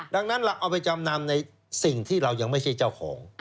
ดังนั้นเราเอาไปจำนำในสิ่งที่เรายังไม่ใช่เจ้าของ